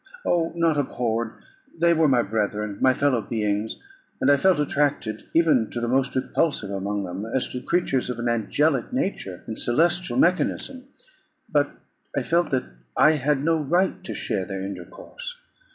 Oh, not abhorred! they were my brethren, my fellow beings, and I felt attracted even to the most repulsive among them, as to creatures of an angelic nature and celestial mechanism. But I felt that I had no right to share their intercourse.